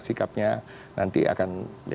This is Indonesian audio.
sikapnya nanti akan berubah